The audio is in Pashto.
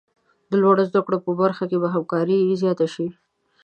د لوړو زده کړو په برخه کې به همکاري زیاته شي.